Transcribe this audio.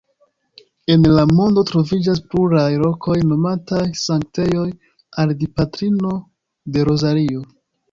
En la mondo troviĝas pluraj lokoj nomataj sanktejoj al Dipatrino de Rozario.